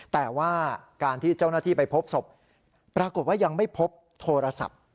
แต่ว่าการที่เจ้าหน้าที่ไปพบศพปรากฏว่ายังไม่พบโทรศัพท์